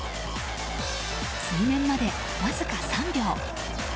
水面まで、わずか３秒。